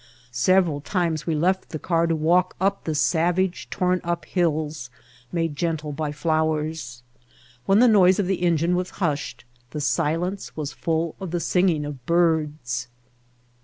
Several times we left the car to walk on the savage, torn up hills made gentle by flow^ers. When the noise of the engine w^as hushed the silence was full of the singing of birds.